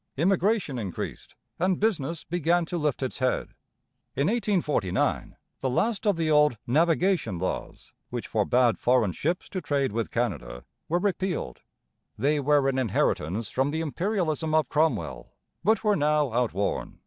Immigration increased and business began to lift its head. In 1849 the last of the old Navigation Laws, which forbade foreign ships to trade with Canada, were repealed. They were an inheritance from the imperialism of Cromwell, but were now outworn.